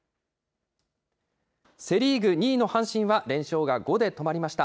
セ・リーグ２位の阪神は連勝が５で止まりました。